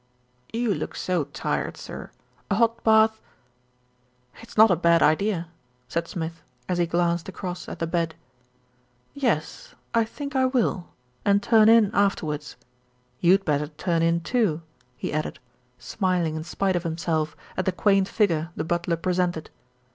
"You look so tired, sir, a hot bath " "It's not a bad idea," said Smith, as he glanced across at the bed. "Yes, I think I will, and turn in afterwards. You'd better turn in, too," he added, smiling in spite of himself at the quaint figure the butler presented.